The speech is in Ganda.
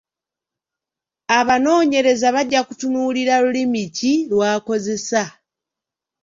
Abanoonyereza bajja kutunuulira lulimi ki lw’akozesa.